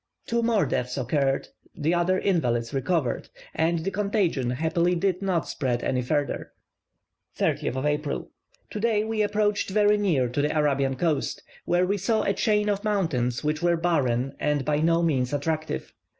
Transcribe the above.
Two more deaths occurred, the other invalids recovered, and the contagion happily did not spread any further. 30th April. Today we approached very near to the Arabian coast, where we saw a chain of mountains which were barren and by no means attractive.